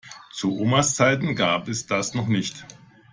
Zu Omas Zeiten gab es das noch nicht.